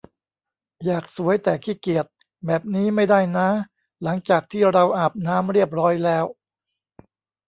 อยากสวย แต่ขี้เกียจ แบบนี้ไม่ได้น้าหลังจากที่เราอาบน้ำเรียบร้อยแล้ว